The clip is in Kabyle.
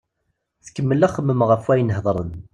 Tkemmel axemmem ɣef wayen hedren.